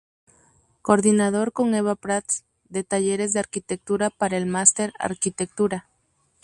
Coordinador, con Eva Prats, de talleres de arquitectura para el máster “Arquitectura.